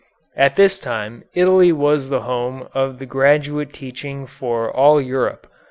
At this time Italy was the home of the graduate teaching for all Europe.